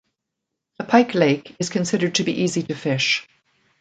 The Pike lake is considered to be easy to fish.